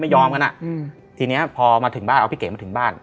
ยอมกันอ่ะอืมทีเนี้ยพอมาถึงบ้านเอาพี่เก๋มาถึงบ้าน